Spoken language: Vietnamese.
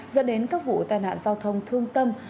dẫn đến các vụ tai nạn giao thông thương tâm